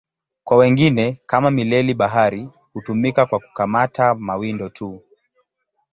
Kwa wengine, kama mileli-bahari, hutumika kwa kukamata mawindo tu.